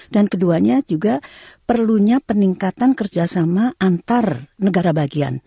dan keduanya juga perlunya peningkatan kerjasama antar negara bagian